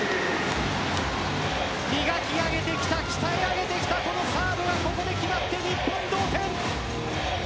磨き上げてきた鍛え上げてきたこのサーブがここで決まって、日本同点。